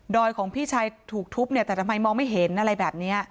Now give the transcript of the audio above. ของพี่ชายถูกทุบเนี่ยแต่ทำไมมองไม่เห็นอะไรแบบนี้